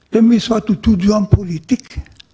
demi suatu tujuan politik